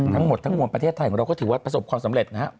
ทั้งหมดทั้งมวลประเทศไทยของเราก็ถือว่าประสบความสำเร็จนะครับ